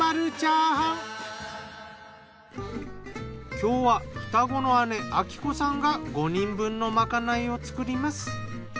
今日は双子の姉昭子さんが５人分のまかないを作ります。